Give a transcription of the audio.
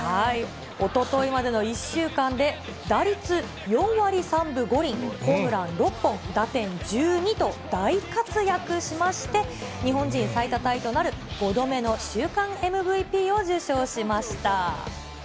おとといまでの１週間で、打率４割３分５厘、ホームラン６本、打点１２と大活躍しまして、日本人最多タイとなる５度目の週間ＭＶＰを受賞しました。